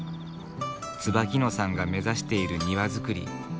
椿野さんが目指している庭造り。